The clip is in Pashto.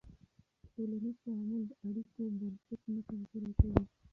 ټولنیز تعامل د اړیکو بنسټ نه کمزوری کوي.